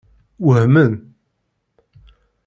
Wehmen.